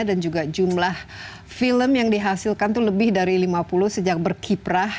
dan juga jumlah film yang dihasilkan itu lebih dari lima puluh sejak berkiprah